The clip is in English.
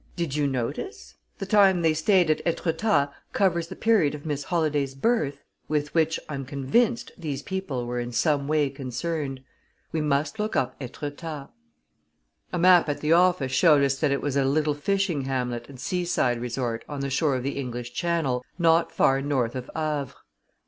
"Did you notice the time they stayed at Etretat covers the period of Miss Holladay's birth, with which, I'm convinced, these people were in some way concerned. We must look up Etretat." A map at the office showed us that it was a little fishing hamlet and seaside resort on the shore of the English Channel, not far north of Havre.